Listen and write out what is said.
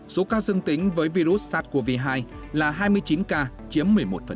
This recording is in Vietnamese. số ca dương tính với virus sars cov hai là hai mươi chín ca chiếm một mươi một